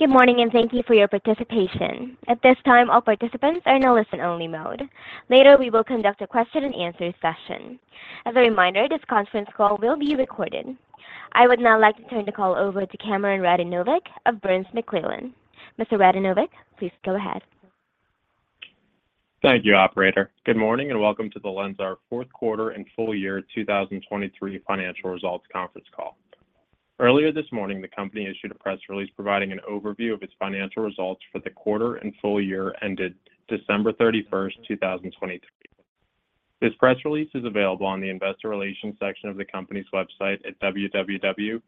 Good morning and thank you for your participation. At this time, all participants are in a listen-only mode. Later, we will conduct a question-and-answer session. As a reminder, this conference call will be recorded. I would now like to turn the call over to Cameron Radinovic of Burns McClellan. Mr. Radinovic, please go ahead. Thank you, operator. Good morning and welcome to the LENSAR fourth quarter and full year 2023 Financial Results Conference Call. Earlier this morning, the company issued a press release providing an overview of its financial results for the quarter and full year ended December 31st, 2023. This press release is available on the investor relations section of the company's website at www.lensar.com.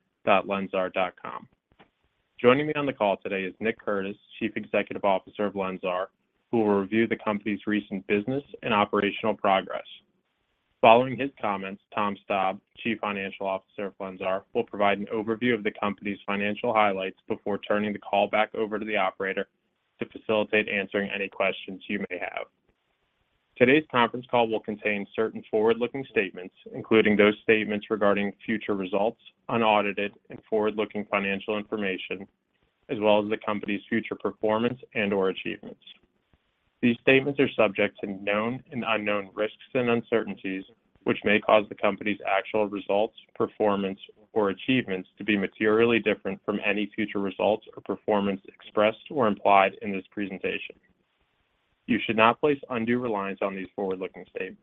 Joining me on the call today is Nick Curtis, Chief Executive Officer of LENSAR, who will review the company's recent business and operational progress. Following his comments, Tom Staab, Chief Financial Officer of LENSAR, will provide an overview of the company's financial highlights before turning the call back over to the operator to facilitate answering any questions you may have. Today's conference call will contain certain forward-looking statements, including those statements regarding future results, unaudited and forward-looking financial information, as well as the company's future performance and/or achievements. These statements are subject to known and unknown risks and uncertainties, which may cause the company's actual results, performance, or achievements to be materially different from any future results or performance expressed or implied in this presentation. You should not place undue reliance on these forward-looking statements.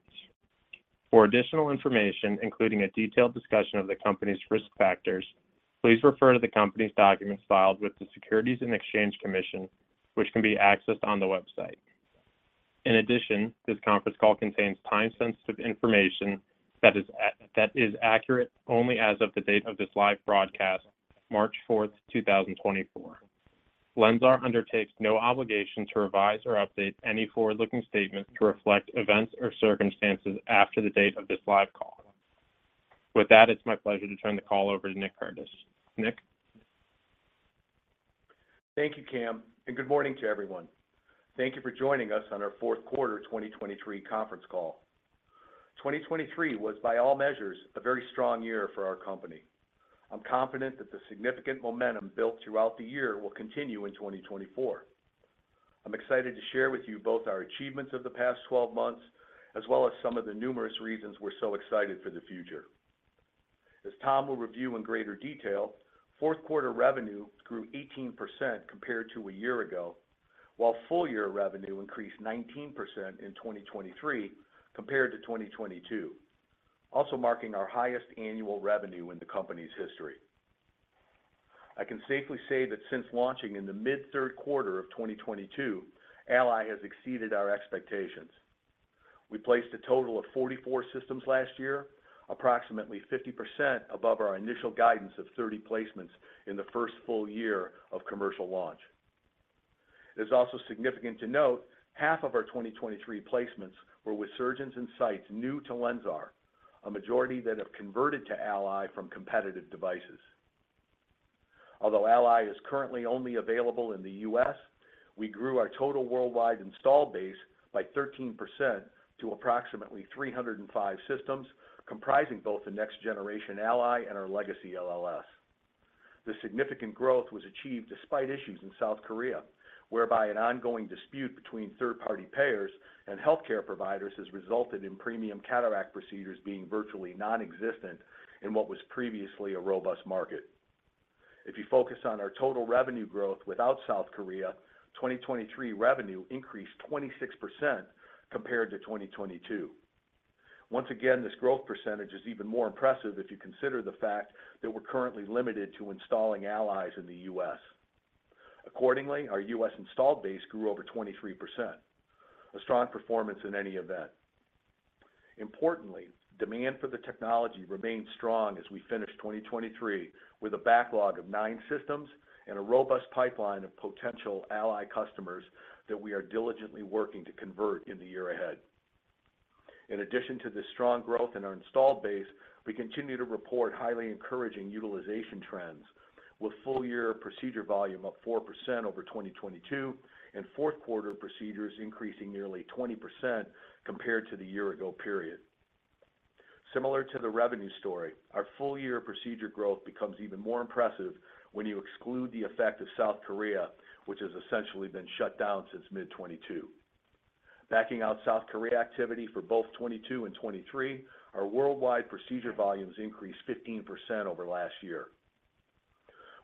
For additional information, including a detailed discussion of the company's risk factors, please refer to the company's documents filed with the Securities and Exchange Commission, which can be accessed on the website. In addition, this conference call contains time-sensitive information that is accurate only as of the date of this live broadcast, March 4th, 2024. LENSAR undertakes no obligation to revise or update any forward-looking statements to reflect events or circumstances after the date of this live call. With that, it's my pleasure to turn the call over to Nick Curtis. Nick? Thank you, Cam, and good morning to everyone. Thank you for joining us on our fourth quarter 2023 conference call. 2023 was, by all measures, a very strong year for our company. I'm confident that the significant momentum built throughout the year will continue in 2024. I'm excited to share with you both our achievements of the past 12 months as well as some of the numerous reasons we're so excited for the future. As Tom will review in greater detail, fourth quarter revenue grew 18% compared to a year ago, while full-year revenue increased 19% in 2023 compared to 2022, also marking our highest annual revenue in the company's history. I can safely say that since launching in the mid-third quarter of 2022, ALLY has exceeded our expectations. We placed a total of 44 systems last year, approximately 50% above our initial guidance of 30 placements in the first full year of commercial launch. It is also significant to note half of our 2023 placements were with surgeons and sites new to LENSAR, a majority that have converted to ALLY from competitive devices. Although ALLY is currently only available in the U.S., we grew our total worldwide install base by 13% to approximately 305 systems, comprising both the next-generation ALLY and our legacy LLS. This significant growth was achieved despite issues in South Korea, whereby an ongoing dispute between third-party payers and healthcare providers has resulted in premium cataract procedures being virtually nonexistent in what was previously a robust market. If you focus on our total revenue growth without South Korea, 2023 revenue increased 26% compared to 2022. Once again, this growth percentage is even more impressive if you consider the fact that we're currently limited to installing ALLY in the U.S. Accordingly, our U.S. install base grew over 23%, a strong performance in any event. Importantly, demand for the technology remains strong as we finish 2023 with a backlog of nine systems and a robust pipeline of potential ALLY customers that we are diligently working to convert in the year ahead. In addition to this strong growth in our install base, we continue to report highly encouraging utilization trends, with full-year procedure volume up 4% over 2022 and fourth quarter procedures increasing nearly 20% compared to the year-ago period. Similar to the revenue story, our full-year procedure growth becomes even more impressive when you exclude the effect of South Korea, which has essentially been shut down since mid-2022. Backing out South Korea activity for both 2022 and 2023, our worldwide procedure volumes increased 15% over last year.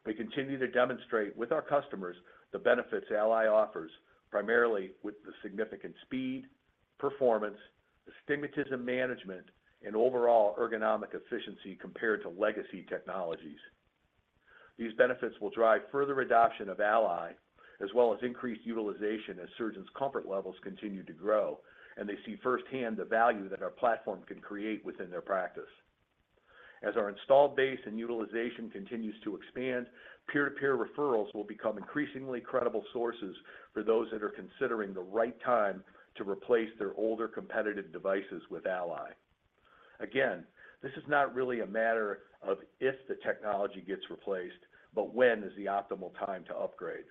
We continue to demonstrate with our customers the benefits ALLY offers, primarily with the significant speed, performance, astigmatism management, and overall ergonomic efficiency compared to legacy technologies. These benefits will drive further adoption of ALLY as well as increased utilization as surgeons' comfort levels continue to grow, and they see firsthand the value that our platform can create within their practice. As our install base and utilization continues to expand, peer-to-peer referrals will become increasingly credible sources for those that are considering the right time to replace their older competitive devices with ALLY. Again, this is not really a matter of if the technology gets replaced, but when is the optimal time to upgrade.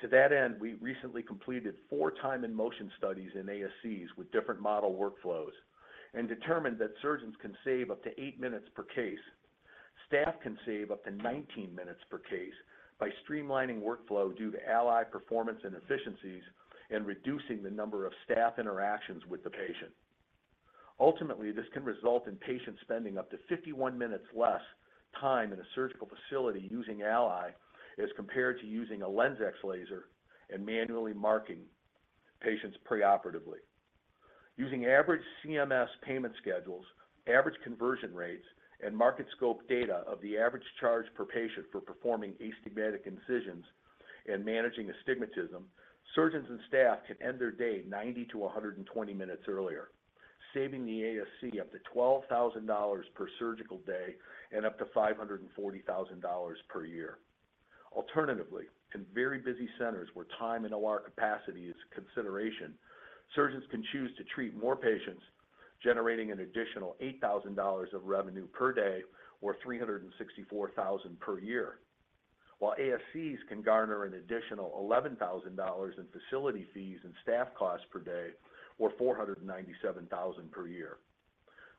To that end, we recently completed four time-and-motion studies in ASCs with different model workflows and determined that surgeons can save up to eight minutes per case, staff can save up to 19 minutes per case by streamlining workflow due to ALLY performance and efficiencies and reducing the number of staff interactions with the patient. Ultimately, this can result in patients spending up to 51 minutes less time in a surgical facility using ALLY as compared to using a LenSx laser and manually marking patients preoperatively. Using average CMS payment schedules, average conversion rates, and Market Scope data of the average charge per patient for performing astigmatic incisions and managing astigmatism, surgeons and staff can end their day 90-120 minutes earlier, saving the ASC up to $12,000 per surgical day and up to $540,000 per year. Alternatively, in very busy centers where time and OR capacity is a consideration, surgeons can choose to treat more patients, generating an additional $8,000 of revenue per day or $364,000 per year, while ASCs can garner an additional $11,000 in facility fees and staff costs per day or $497,000 per year.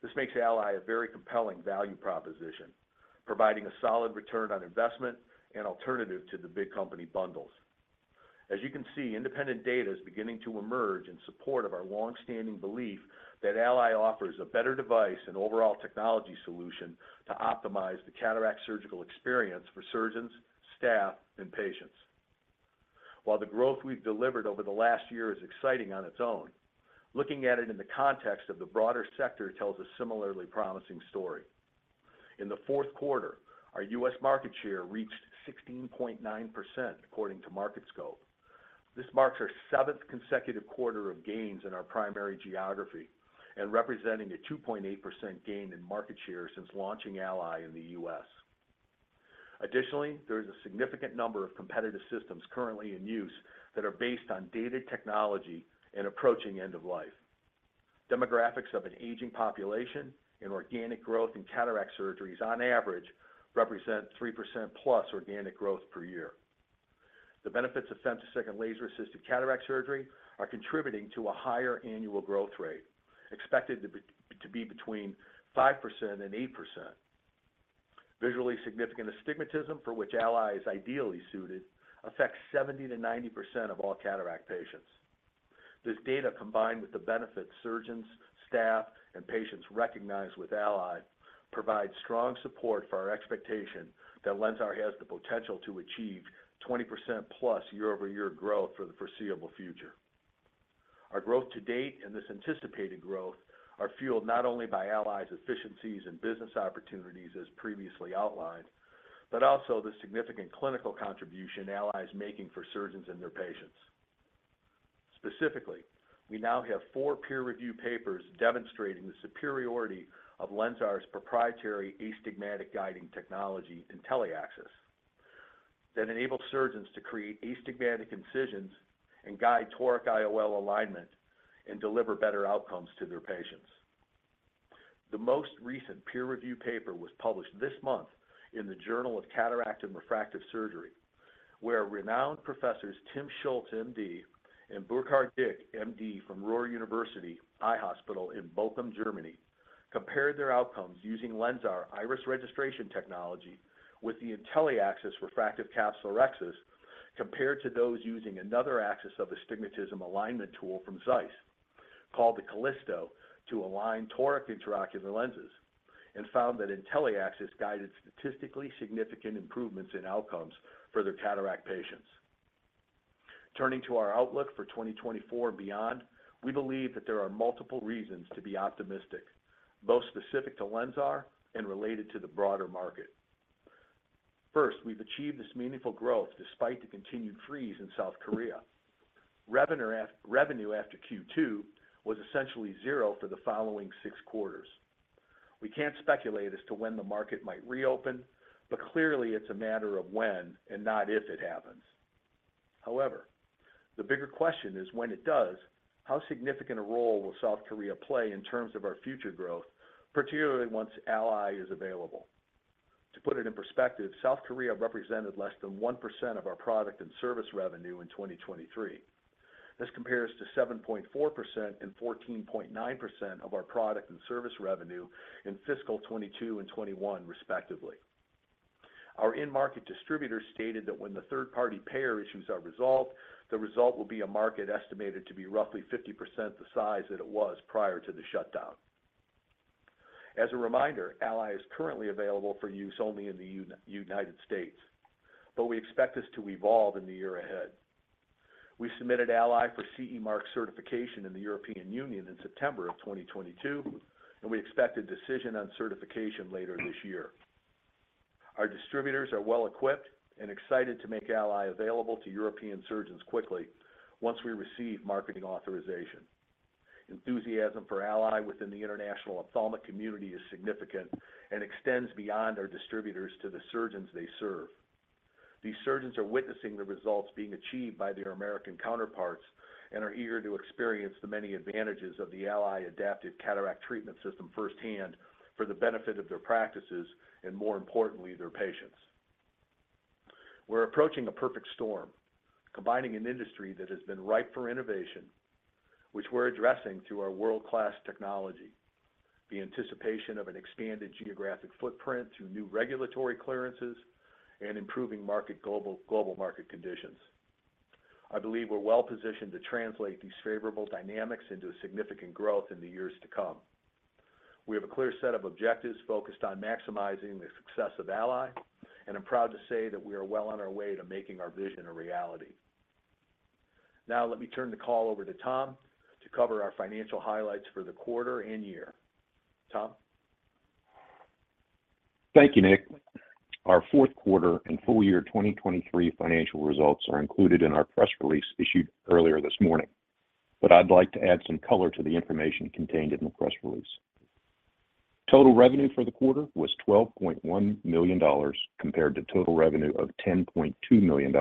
This makes ALLY a very compelling value proposition, providing a solid return on investment and alternative to the big company bundles. As you can see, independent data is beginning to emerge in support of our longstanding belief that ALLY offers a better device and overall technology solution to optimize the cataract surgical experience for surgeons, staff, and patients. While the growth we've delivered over the last year is exciting on its own, looking at it in the context of the broader sector tells a similarly promising story. In the fourth quarter, our U.S. market share reached 16.9% according to Market Scope. This marks our seventh consecutive quarter of gains in our primary geography and representing a 2.8% gain in market share since launching ALLY in the U.S. Additionally, there is a significant number of competitive systems currently in use that are based on dated technology and approaching end-of-life. Demographics of an aging population and organic growth in cataract surgeries, on average, represent 3%+ organic growth per year. The benefits of femtosecond laser-assisted cataract surgery are contributing to a higher annual growth rate, expected to be between 5%-8%. Visually significant astigmatism, for which ALLY is ideally suited, affects 70%-90% of all cataract patients. This data, combined with the benefits surgeons, staff, and patients recognize with ALLY, provides strong support for our expectation that LENSAR has the potential to achieve 20%+ year-over-year growth for the foreseeable future. Our growth to date and this anticipated growth are fueled not only by ALLY's efficiencies and business opportunities, as previously outlined, but also the significant clinical contribution ALLY is making for surgeons and their patients. Specifically, we now have four peer-reviewed papers demonstrating the superiority of LENSAR's proprietary astigmatic guiding technology, IntelliAxis, that enables surgeons to create astigmatic incisions and guide Toric IOL alignment and deliver better outcomes to their patients. The most recent peer-reviewed paper was published this month in the Journal of Cataract and Refractive Surgery, where renowned professors Tim Schultz, MD, and Burkhard Dick, MD from Ruhr University Eye Hospital in Bochum, Germany, compared their outcomes using LENSAR Iris Registration technology with the IntelliAxis Refractive Capsulorhexis compared to those using another axis of astigmatism alignment tool from Zeiss called the Callisto to align toric intraocular lenses and found that IntelliAxis guided statistically significant improvements in outcomes for their cataract patients. Turning to our outlook for 2024 and beyond, we believe that there are multiple reasons to be optimistic, both specific to LENSAR and related to the broader market. First, we've achieved this meaningful growth despite the continued freeze in South Korea. Revenue after Q2 was essentially zero for the following six quarters. We can't speculate as to when the market might reopen, but clearly, it's a matter of when and not if it happens. However, the bigger question is, when it does, how significant a role will South Korea play in terms of our future growth, particularly once ALLY is available? To put it in perspective, South Korea represented less than 1% of our product and service revenue in 2023. This compares to 7.4% and 14.9% of our product and service revenue in fiscal 2022 and 2021, respectively. Our in-market distributors stated that when the third-party payer issues are resolved, the result will be a market estimated to be roughly 50% the size that it was prior to the shutdown. As a reminder, ALLY is currently available for use only in the United States, but we expect this to evolve in the year ahead. We submitted ALLY for CE Mark certification in the European Union in September of 2022, and we expect a decision on certification later this year. Our distributors are well-equipped and excited to make ALLY available to European surgeons quickly once we receive marketing authorization. Enthusiasm for ALLY within the international ophthalmic community is significant and extends beyond our distributors to the surgeons they serve. These surgeons are witnessing the results being achieved by their American counterparts and are eager to experience the many advantages of the ALLY Adaptive Cataract Treatment System firsthand for the benefit of their practices and, more importantly, their patients. We're approaching a perfect storm, combining an industry that has been ripe for innovation, which we're addressing through our world-class technology, the anticipation of an expanded geographic footprint through new regulatory clearances, and improving global market conditions. I believe we're well-positioned to translate these favorable dynamics into significant growth in the years to come. We have a clear set of objectives focused on maximizing the success of ALLY, and I'm proud to say that we are well on our way to making our vision a reality. Now, let me turn the call over to Tom to cover our financial highlights for the quarter and year. Tom? Thank you, Nick. Our fourth quarter and full-year 2023 Financial Results are included in our press release issued earlier this morning, but I'd like to add some color to the information contained in the press release. Total revenue for the quarter was $12.1 million compared to total revenue of $10.2 million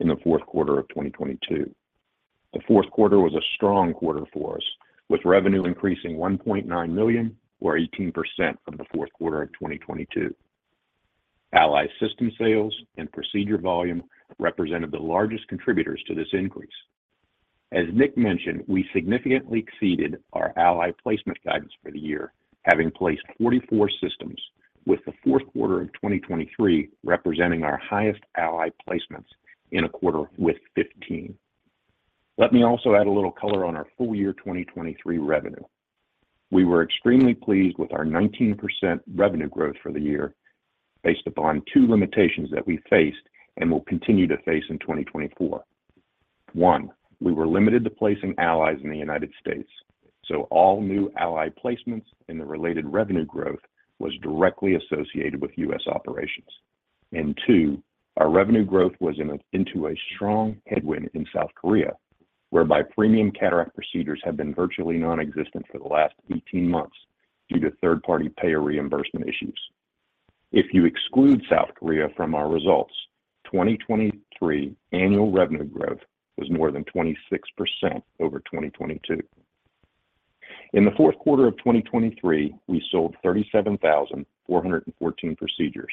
in the fourth quarter of 2022. The fourth quarter was a strong quarter for us, with revenue increasing $1.9 million, or 18%, from the fourth quarter of 2022. ALLY system sales and procedure volume represented the largest contributors to this increase. As Nick mentioned, we significantly exceeded our ALLY placement guidance for the year, having placed 44 systems, with the fourth quarter of 2023 representing our highest ALLY placements in a quarter with 15. Let me also add a little color on our full-year 2023 revenue. We were extremely pleased with our 19% revenue growth for the year based upon two limitations that we faced and will continue to face in 2024. One, we were limited to placing ALLYs in the United States, so all new ALLY placements and the related revenue growth was directly associated with U.S. operations. And two, our revenue growth was into a strong headwind in South Korea, whereby premium cataract procedures have been virtually nonexistent for the last 18 months due to third-party payer reimbursement issues. If you exclude South Korea from our results, 2023 annual revenue growth was more than 26% over 2022. In the fourth quarter of 2023, we sold 37,414 procedures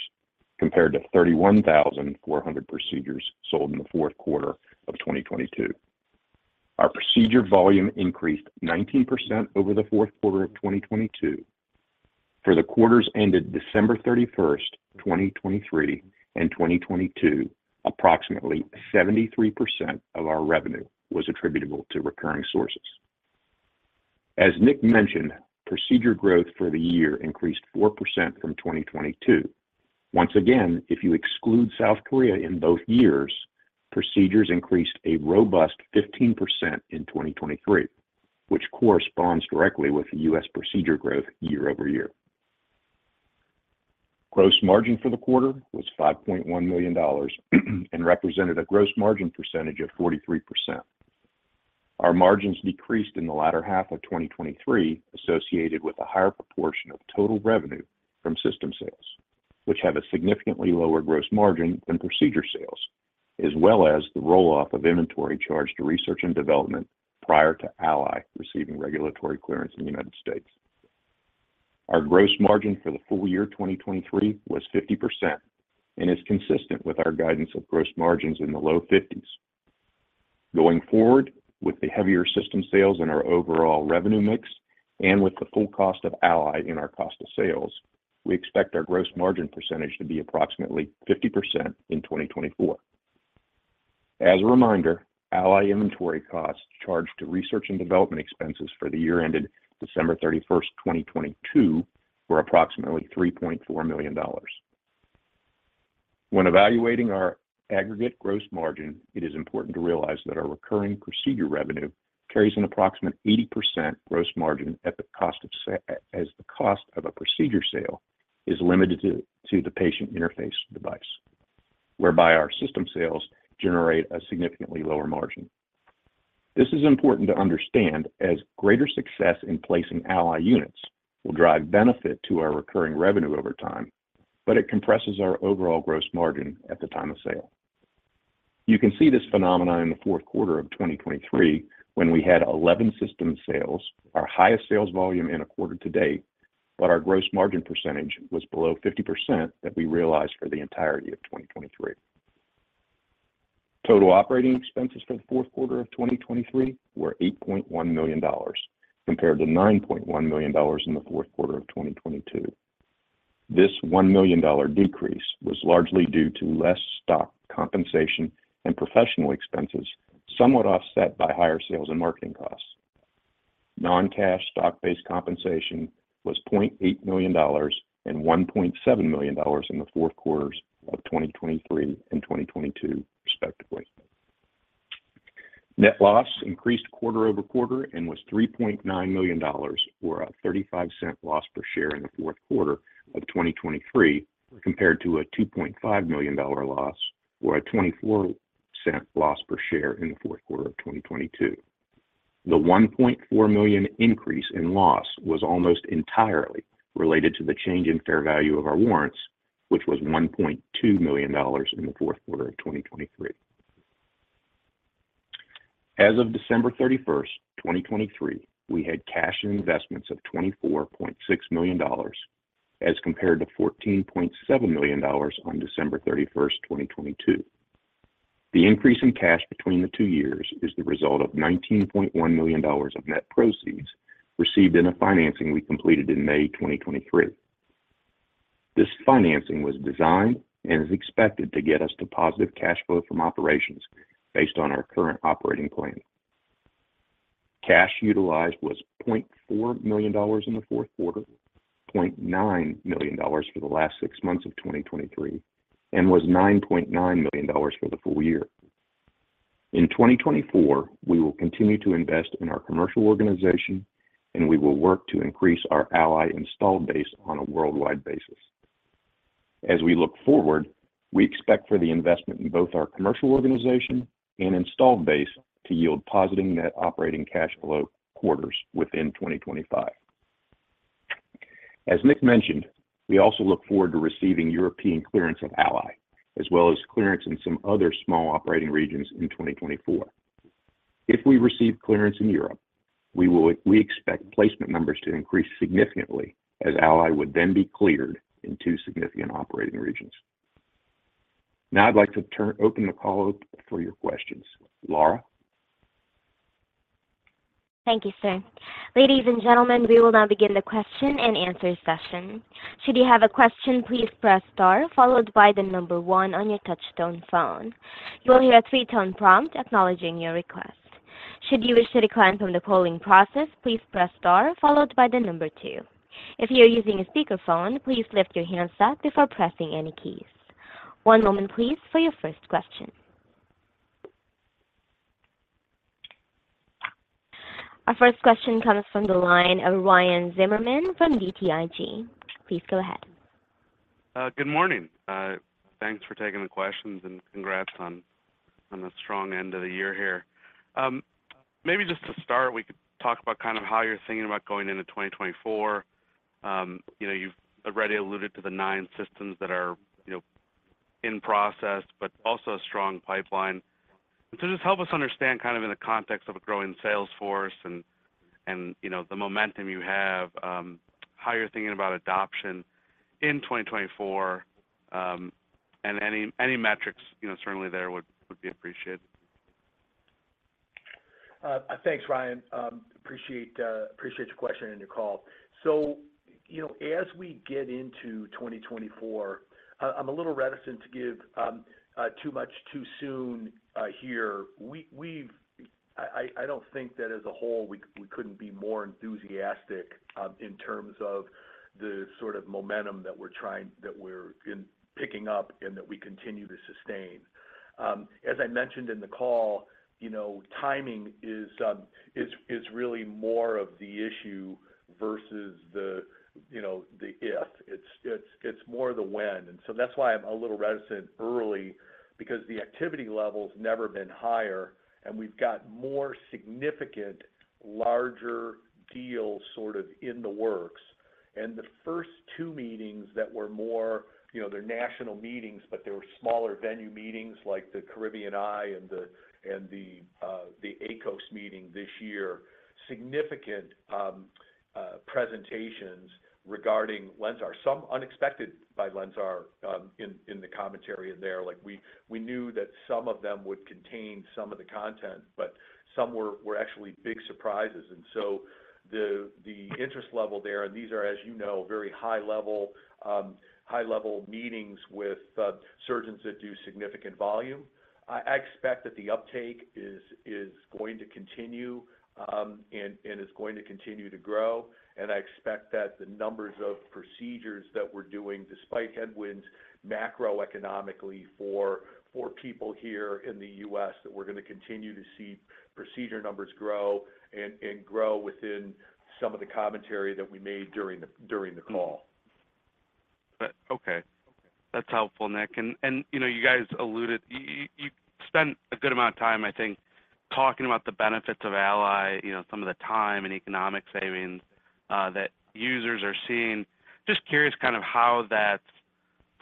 compared to 31,400 procedures sold in the fourth quarter of 2022. Our procedure volume increased 19% over the fourth quarter of 2022. For the quarters ended December 31st, 2023, and 2022, approximately 73% of our revenue was attributable to recurring sources. As Nick mentioned, procedure growth for the year increased 4% from 2022. Once again, if you exclude South Korea in both years, procedures increased a robust 15% in 2023, which corresponds directly with U.S. procedure growth year over year. Gross margin for the quarter was $5.1 million and represented a gross margin percentage of 43%. Our margins decreased in the latter half of 2023 associated with a higher proportion of total revenue from system sales, which have a significantly lower gross margin than procedure sales, as well as the roll-off of inventory charged to research and development prior to ALLY receiving regulatory clearance in the United States. Our gross margin for the full year 2023 was 50% and is consistent with our guidance of gross margins in the low 50s. Going forward, with the heavier system sales in our overall revenue mix and with the full cost of ALLY in our cost of sales, we expect our gross margin percentage to be approximately 50% in 2024. As a reminder, ALLY inventory costs charged to research and development expenses for the year ended December 31st, 2022, were approximately $3.4 million. When evaluating our aggregate gross margin, it is important to realize that our recurring procedure revenue carries an approximate 80% gross margin at the cost of, as the cost of a procedure sale is limited to the patient interface device, whereby our system sales generate a significantly lower margin. This is important to understand, as greater success in placing ALLY units will drive benefit to our recurring revenue over time, but it compresses our overall gross margin at the time of sale. You can see this phenomenon in the fourth quarter of 2023 when we had 11 system sales, our highest sales volume in a quarter to date, but our gross margin percentage was below 50% that we realized for the entirety of 2023. Total operating expenses for the fourth quarter of 2023 were $8.1 million compared to $9.1 million in the fourth quarter of 2022. This $1 million decrease was largely due to less stock compensation and professional expenses somewhat offset by higher sales and marketing costs. Non-cash stock-based compensation was $0.8 million and $1.7 million in the fourth quarters of 2023 and 2022, respectively. Net loss increased quarter-over-quarter and was $3.9 million, or a $0.35 loss per share in the fourth quarter of 2023, compared to a $2.5 million loss or a $0.24 loss per share in the fourth quarter of 2022. The $1.4 million increase in loss was almost entirely related to the change in fair value of our warrants, which was $1.2 million in the fourth quarter of 2023. As of December 31st, 2023, we had cash investments of $24.6 million as compared to $14.7 million on December 31st, 2022. The increase in cash between the two years is the result of $19.1 million of net proceeds received in a financing we completed in May 2023. This financing was designed and is expected to get us to positive cash flow from operations based on our current operating plan. Cash utilized was $0.4 million in the fourth quarter, $0.9 million for the last six months of 2023, and was $9.9 million for the full year. In 2024, we will continue to invest in our commercial organization, and we will work to increase our ALLY installed base on a worldwide basis. As we look forward, we expect for the investment in both our commercial organization and installed base to yield positive net operating cash flow quarters within 2025. As Nick mentioned, we also look forward to receiving European clearance of ALLY, as well as clearance in some other small operating regions in 2024. If we receive clearance in Europe, we expect placement numbers to increase significantly as ALLY would then be cleared in two significant operating regions. Now, I'd like to open the call for your questions. Laura? Thank you, sir. Ladies and gentlemen, we will now begin the question and answer session. Should you have a question, please press * followed by the number 1 on your touch-tone phone. You will hear a three-tone prompt acknowledging your request. Should you wish to decline from the polling process, please press * followed by the number 2. If you are using a speakerphone, please lift your hands up before pressing any keys. One moment, please, for your first question. Our first question comes from the line of Ryan Zimmerman from BTIG. Please go ahead. Good morning. Thanks for taking the questions, and congrats on the strong end of the year here. Maybe just to start, we could talk about kind of how you're thinking about going into 2024. You've already alluded to the nine systems that are in process, but also a strong pipeline. And so just help us understand kind of in the context of a growing sales force and the momentum you have, how you're thinking about adoption in 2024, and any metrics certainly there would be appreciated. Thanks, Ryan. Appreciate your question and your call. As we get into 2024, I'm a little reticent to give too much too soon here. I don't think that as a whole, we couldn't be more enthusiastic in terms of the sort of momentum that we're picking up and that we continue to sustain. As I mentioned in the call, timing is really more of the issue versus the if, It's more the when. And so that's why I'm a little reticent early, because the activity level's never been higher, and we've got more significant, larger deals sort of in the works. And the first two meetings that were more they're national meetings, but they were smaller venue meetings like the Caribbean Eye and the AECOS meeting this year, significant presentations regarding LENSAR, some unexpected by LENSAR in the commentary in there. We knew that some of them would contain some of the content, but some were actually big surprises. And so the interest level there, and these are, as you know, very high-level meetings with surgeons that do significant volume. I expect that the uptake is going to continue and is going to continue to grow. And I expect that the numbers of procedures that we're doing despite headwinds macroeconomically for people here in the U.S. that we're going to continue to see procedure numbers grow and grow within some of the commentary that we made during the call. Okay. That's helpful, Nick. And you guys alluded you spent a good amount of time, I think, talking about the benefits of ALLY, some of the time and economic savings that users are seeing. Just curious kind of how that's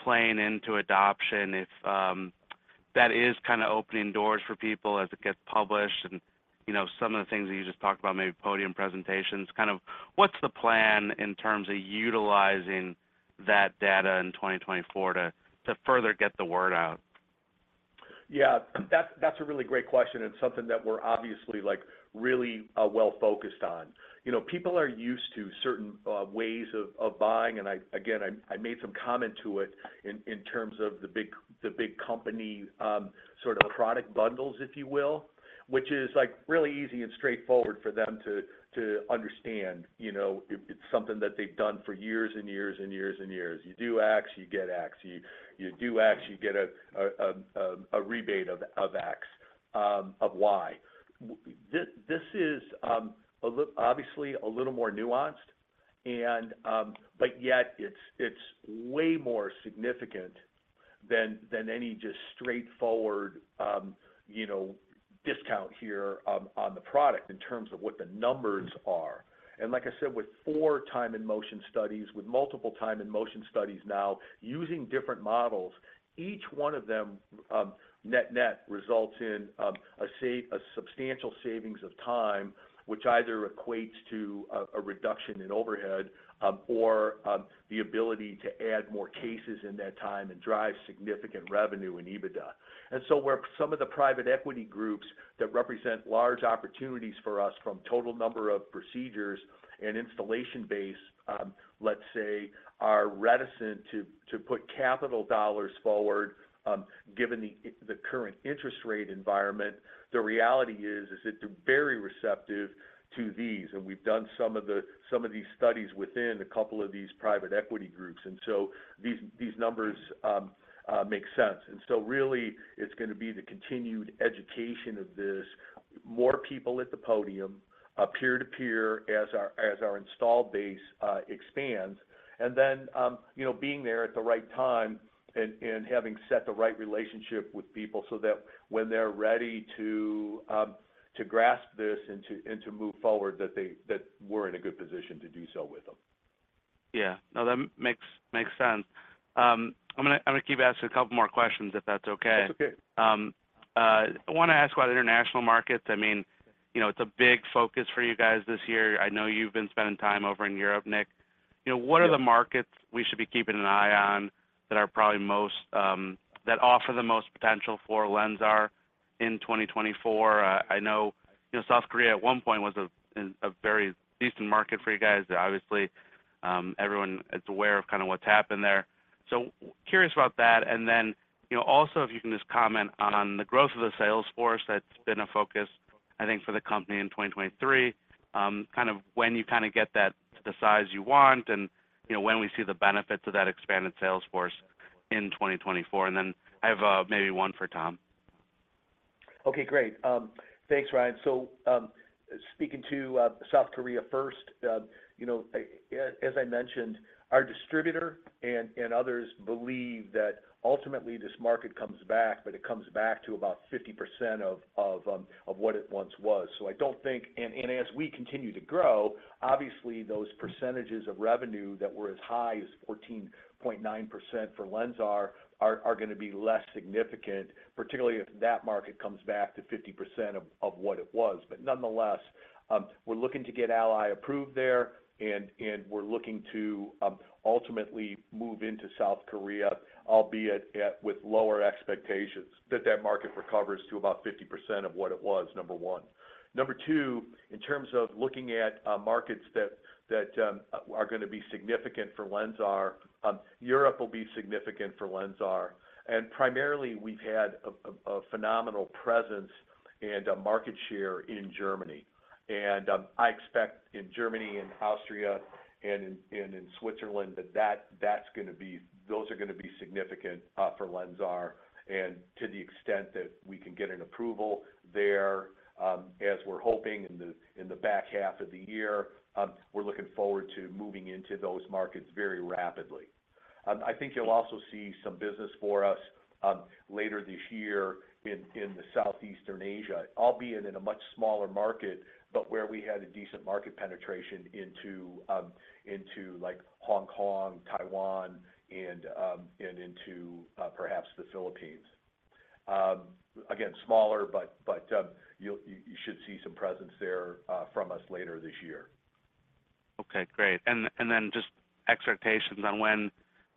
playing into adoption, if that is kind of opening doors for people as it gets published. Some of the things that you just talked about, maybe podium presentations, kind of what's the plan in terms of utilizing that data in 2024 to further get the word out? Yeah. That's a really great question and something that we're obviously really well-focused on. People are used to certain ways of buying. And again, I made some comment to it in terms of the big company sort of product bundles, if you will, which is really easy and straightforward for them to understand. It's something that they've done for years and years and years and years. You do X, you get X. You do X, you get a rebate of X of Y. This is obviously a little more nuanced, but yet it's way more significant than any just straightforward discount here on the product in terms of what the numbers are. And like I said, with four time-and-motion studies, with multiple time-and-motion studies now using different models, each one of them net-net results in a substantial savings of time, which either equates to a reduction in overhead or the ability to add more cases in that time and drive significant revenue in EBITDA. And so where some of the private equity groups that represent large opportunities for us from total number of procedures and installation base, let's say, are reticent to put capital dollars forward given the current interest rate environment, the reality is that they're very receptive to these. And we've done some of these studies within a couple of these private equity groups. And so these numbers make sense. And so really, it's going to be the continued education of this, more people at the podium, peer-to-peer as our installed base expands, and then being there at the right time and having set the right relationship with people so that when they're ready to grasp this and to move forward, that we're in a good position to do so with them. Yeah. No, that makes sense. I'm going to keep asking a couple more questions, if that's okay. That's okay. I want to ask about international markets. I mean, it's a big focus for you guys this year. I know you've been spending time over in Europe, Nick. What are the markets we should be keeping an eye on that are probably most that offer the most potential for LENSAR in 2024? I know South Korea at one point was a very decent market for you guys. Obviously, everyone is aware of kind of what's happened there. So curious about that. And then also, if you can just comment on the growth of the sales force that's been a focus, I think, for the company in 2023, kind of when you kind of get that to the size you want and when we see the benefits of that expanded sales force in 2024. And then I have maybe one for Tom. Okay. Great. Thanks, Ryan. So speaking to South Korea first, as I mentioned, our distributor and others believe that ultimately this market comes back, but it comes back to about 50% of what it once was. So I don't think, and as we continue to grow, obviously, those percentages of revenue that were as high as 14.9% for LENSAR are going to be less significant, particularly if that market comes back to 50% of what it was. But nonetheless, we're looking to get ALLY approved there, and we're looking to ultimately move into South Korea, albeit with lower expectations, that that market recovers to about 50% of what it was, number one. Number two, in terms of looking at markets that are going to be significant for LENSAR, Europe will be significant for LENSAR. And primarily, we've had a phenomenal presence and a market share in Germany. And I expect in Germany and Austria and in Switzerland that those are going to be significant for LENSAR. And to the extent that we can get an approval there as we're hoping in the back half of the year, we're looking forward to moving into those markets very rapidly. I think you'll also see some business for us later this year in Southeast Asia, albeit in a much smaller market, but where we had a decent market penetration into Hong Kong, Taiwan, and into perhaps the Philippines. Again, smaller, but you should see some presence there from us later this year. Okay. Great. And then just expectations on when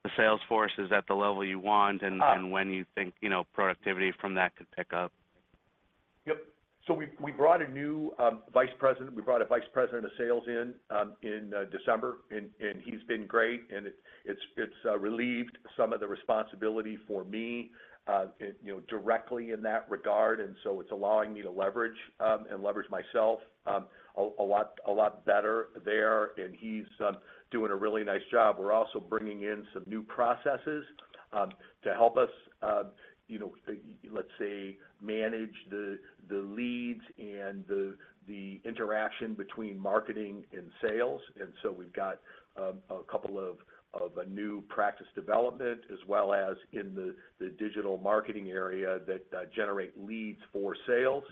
the sales force is at the level you want and when you think productivity from that could pick up. Yep. So we brought a new vice president. We brought a vice president of sales in December, and he's been great. And it's relieved some of the responsibility for me directly in that regard. It's allowing me to leverage and leverage myself a lot better there. He's doing a really nice job. We're also bringing in some new processes to help us, let's say, manage the leads and the interaction between marketing and sales. So we've got a couple of new practice developments, as well as in the digital marketing area that generate leads for sales.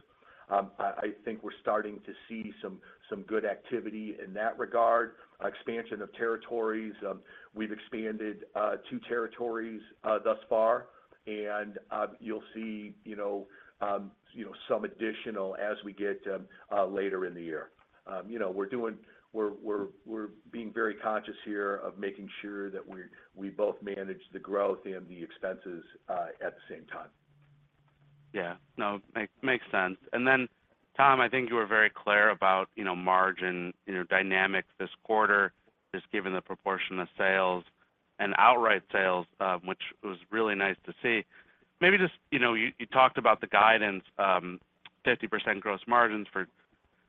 I think we're starting to see some good activity in that regard, expansion of territories. We've expanded two territories thus far, and you'll see some additional as we get later in the year. We're being very conscious here of making sure that we both manage the growth and the expenses at the same time. Yeah. No, makes sense. And then, Tom, I think you were very clear about margin dynamics this quarter, just given the proportion of sales and outright sales, which was really nice to see. Maybe just you talked about the guidance, 50% gross margins for 2024.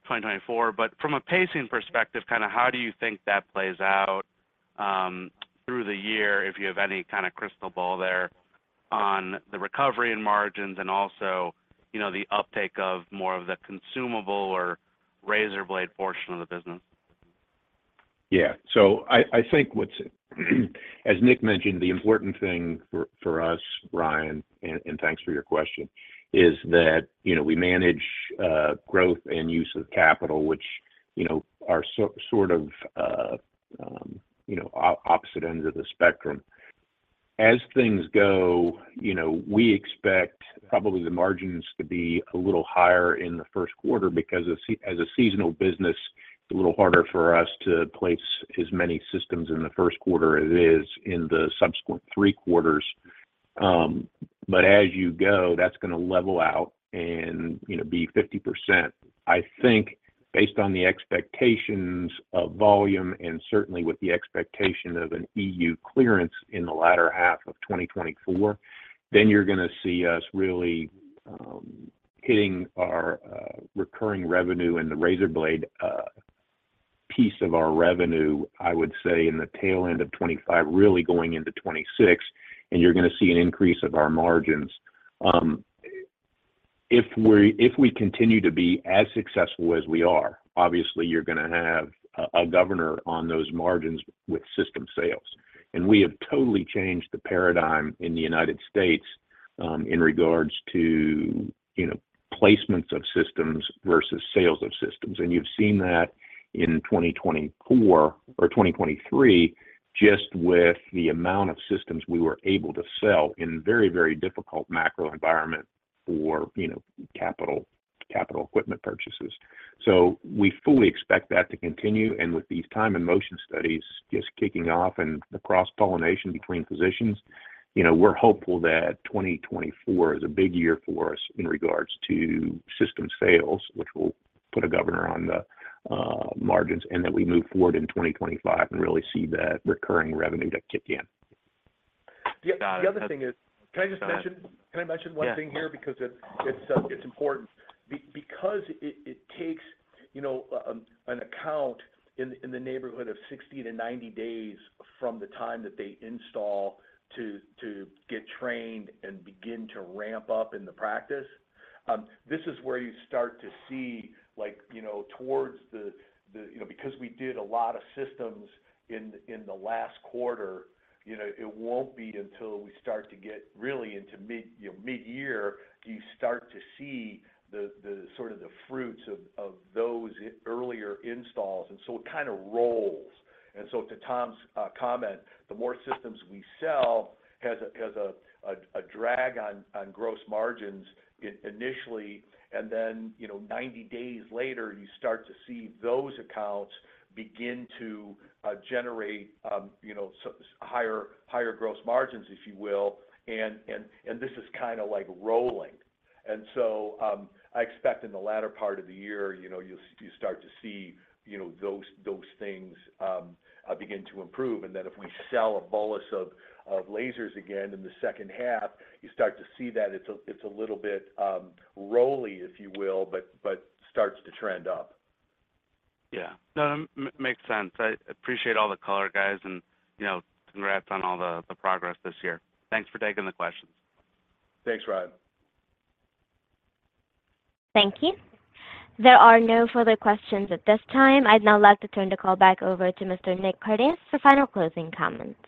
But from a pacing perspective, kind of how do you think that plays out through the year, if you have any kind of crystal ball there, on the recovery in margins and also the uptake of more of the consumable or razorblade portion of the business? Yeah. So I think what's, as Nick mentioned, the important thing for us, Ryan, and thanks for your question, is that we manage growth and use of capital, which are sort of opposite ends of the spectrum. As things go, we expect probably the margins to be a little higher in the first quarter because as a seasonal business, it's a little harder for us to place as many systems in the first quarter as it is in the subsequent three quarters. But as you go, that's going to level out and be 50%. I think based on the expectations of volume and certainly with the expectation of an EU clearance in the latter half of 2024, then you're going to see us really hitting our recurring revenue and the razorblade piece of our revenue, I would say, in the tail end of 2025, really going into 2026. And you're going to see an increase of our margins. If we continue to be as successful as we are, obviously, you're going to have a governor on those margins with system sales. We have totally changed the paradigm in the United States in regards to placements of systems versus sales of systems. You've seen that in 2024 or 2023 just with the amount of systems we were able to sell in a very, very difficult macro environment for capital equipment purchases. We fully expect that to continue. With these time-and-motion studies just kicking off and the cross-pollination between positions, we're hopeful that 2024 is a big year for us in regards to system sales, which will put a governor on the margins, and that we move forward in 2025 and really see that recurring revenue to kick in. The other thing is, can I just mention one thing here because it's important? Because it takes an account in the neighborhood of 60-90 days from the time that they install to get trained and begin to ramp up in the practice, this is where you start to see towards the because we did a lot of systems in the last quarter, it won't be until we start to get really into mid-year do you start to see sort of the fruits of those earlier installs. And so it kind of rolls. And so to Tom's comment, the more systems we sell has a drag on gross margins initially. And then 90 days later, you start to see those accounts begin to generate higher gross margins, if you will. And this is kind of rolling. And so I expect in the latter part of the year, you'll start to see those things begin to improve. And then if we sell a bolus of lasers again in the second half, you start to see that it's a little bit rolly, if you will, but starts to trend up. Yeah. No, it makes sense. I appreciate all the color guys and congrats on all the progress this year. Thanks for taking the questions. Thanks, Ryan. Thank you. There are no further questions at this time. I'd now like to turn the call back over to Mr. Nick Curtis for final closing comments.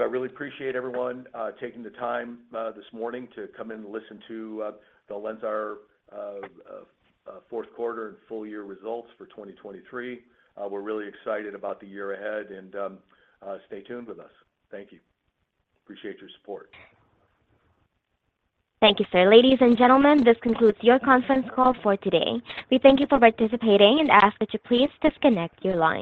I really appreciate everyone taking the time this morning to come in and listen to the LENSAR fourth quarter and full-year results for 2023. We're really excited about the year ahead. And stay tuned with us. Thank you. Appreciate your support. Thank you, sir. Ladies and gentlemen, this concludes your conference call for today. We thank you for participating and ask that you please disconnect your line.